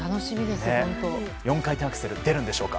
４回転アクセル出るんでしょうか。